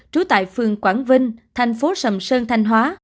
trú tại phường quảng vinh thành phố sầm sơn thanh hóa